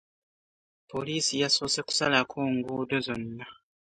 Poliisi yasoose kusalako nguudo zonna